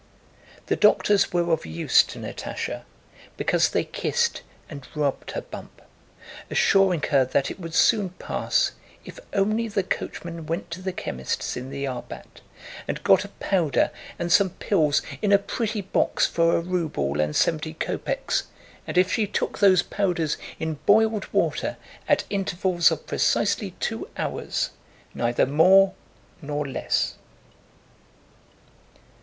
The doctors were of use to Natásha because they kissed and rubbed her bump, assuring her that it would soon pass if only the coachman went to the chemist's in the Arbát and got a powder and some pills in a pretty box for a ruble and seventy kopeks, and if she took those powders in boiled water at intervals of precisely two hours, neither more nor less.